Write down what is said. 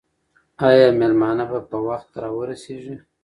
آیا مېلمانه به په وخت راورسېږي؟